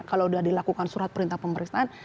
kalau sudah dilakukan surat perintah pemeriksaan